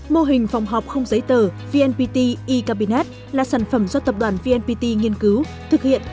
mô hình phòng họp không giấy tờ vnpt e cabinet là sản phẩm do tập đoàn vnpt nghiên cứu thực hiện